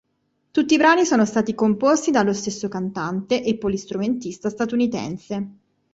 Tutti i brani sono stati composti dallo stesso cantante e polistrumentista statunitense.